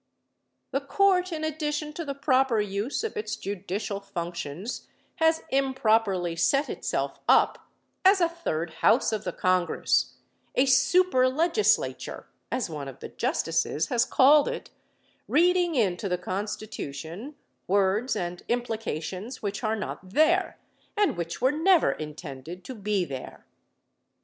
The Court in addition to the proper use of its judicial functions has improperly set itself up as a third house of the Congress a super legislature, as one of the justices has called it reading into the Constitution words and implications which are not there, and which were never intended to be there.